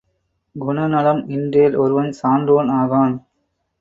குணநலன் இன்றேல், ஒருவன் சான்றோன் ஆகான்.